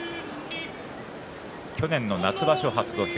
去年の夏場所初土俵